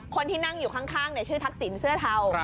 คนที่นั่งอยู่ข้างชื่อทักษิณเสื้อเทา